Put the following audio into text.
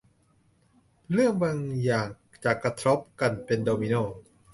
เรื่องบางอย่างจะกระทบกันเป็นโดมิโน่